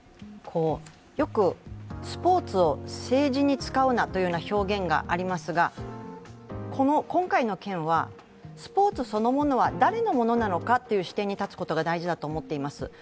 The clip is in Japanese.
よくスポーツを政治に使うなという表現がありますが、今回の件はスポーツそのものは誰のものなのかという視点に立つことが大事だと思っています。